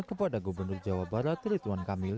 kepada gubernur jawa barat rituan kamil